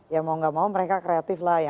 ya mau nggak mau mereka kreatif lah